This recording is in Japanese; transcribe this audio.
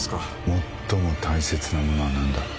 最も大切なものは何だ？